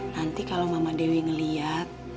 nanti kalau mama dewi melihat